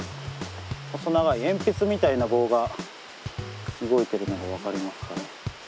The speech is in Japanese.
細長い鉛筆みたいな棒が動いてるのが分かりますか？